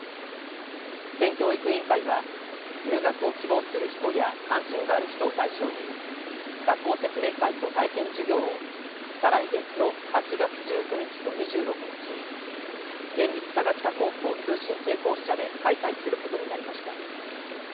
県教育委員会は入学を希望する人や関心がある人を対象に学校説明会と体験授業を再来月の８月１９日と２６日に県立佐賀北高校通信制校舎で開催することになりました。